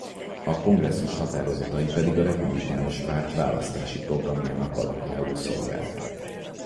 A kongresszus határozatai pedig a Republikánus Párt választási programjának alapjául szolgált.